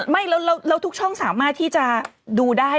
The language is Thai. ไม่แล้วทุกช่องสามารถที่จะดูได้